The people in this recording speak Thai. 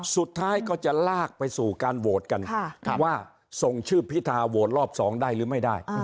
สุดท้ายก็จะลากไปสู่การโหวตกันว่าส่งชื่อพิธาโหวตรอบ๒ได้หรือไม่ได้